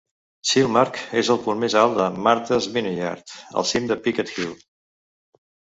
Chilmark és el punt més alt de Martha's Vineyard, al cim de Peaked Hill.